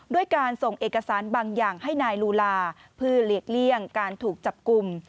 ด้วยการส่งเอกสารบางอย่างให้นายลูลาเพื่อหลีกเลี่ยงการถูกจับกลุ่ม